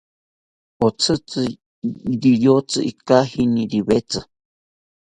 Otzitzi riyotzi ikainishiriwetzi